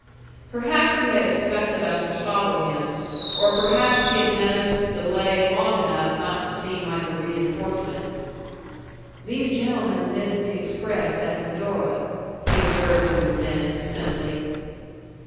Perhaps he had expected us to follow him; or perhaps he had meant us to delay long enough not to seem like a reenforcement. "These gentlemen missed the express at Medora," he observed to his men, simply.